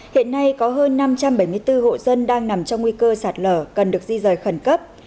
hiện nay có hơn năm trăm bảy mươi bốn hộ dân đang nằm trong nguy cơ sạt lở cần được di rời khẩn cấp